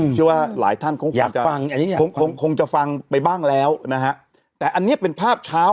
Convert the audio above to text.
เชื่อว่าหลายท่านคงคงจะฟังไปบ้างแล้วนะฮะแต่อันนี้เป็นภาพเช้า